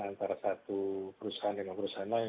antara satu perusahaan dengan perusahaan lain